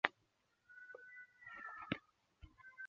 类短肋黄耆是豆科黄芪属的植物。